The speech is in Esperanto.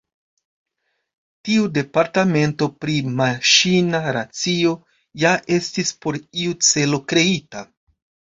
Tiu departemento pri Maŝina Racio ja estis por iu celo kreita.